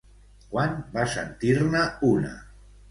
Quan va sentir-ne una?